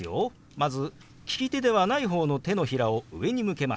まず利き手ではない方の手のひらを上に向けます。